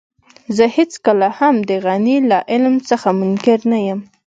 زه هېڅکله هم د غني له علم څخه منکر نه يم.